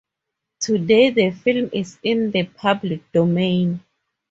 Today the film is in the public domain.